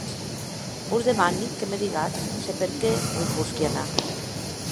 Vos demani que me digatz se per qué non i posqui anar.